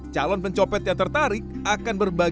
calon pencopet yang tertarik akan berbagi